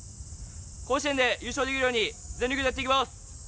甲子園で優勝できるように全力でやっていきます。